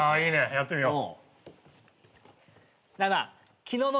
やってみよう。